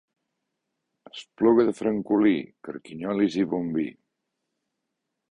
Espluga de Francolí, carquinyolis i bon vi.